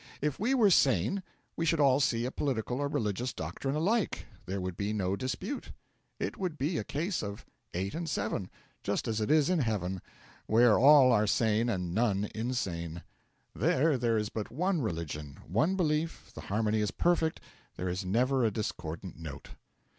If we were sane we should all see a political or religious doctrine alike, there would be no dispute: it would be a case of 8 and 7 just as it is in heaven, where all are sane and none insane. There there is but one religion, one belief, the harmony is perfect, there is never a discordant note.